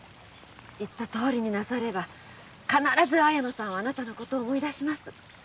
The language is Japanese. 言ったとおりになされば必ず綾乃さんはあなたのことを思い出します。